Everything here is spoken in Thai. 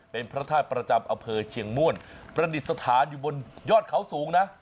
เป็นพระธาตุประจำอำเภอเชียงม่วนประดิษฐานอยู่บนยอดเขาสูงนะ